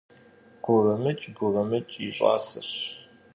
Gurımıkh gurımıkh yi ş'aseş.